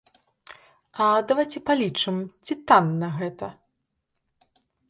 А давайце палічым, ці танна гэта?